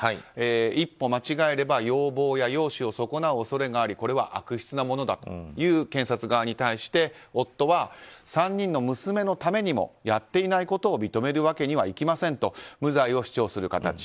一歩間違えれば容貌や容姿を損なう恐れがありこれは悪質なものだという検察側に対して夫は３人の娘のためにもやっていないことを認めるわけにはいきませんと無罪を主張する形。